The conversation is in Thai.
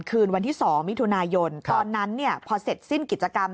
คืนวันที่๒มิถุนายนตอนนั้นเนี่ยพอเสร็จสิ้นกิจกรรม